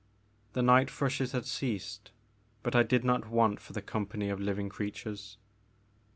The night thrushes had ceased but I did not want for the company of living creatures.